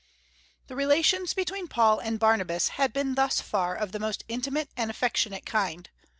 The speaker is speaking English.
The relations between Paul and Barnabas had been thus far of the most intimate and affectionate kind.